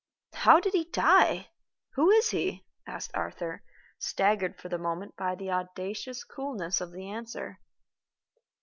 "How did he die? Who is he?" asked Arthur, staggered for the moment by the audacious coolness of the answer.